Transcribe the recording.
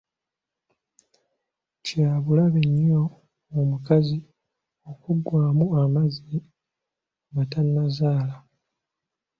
kyabulabe nnyo omukazi okuggwaamu amazzi nga tannazaala.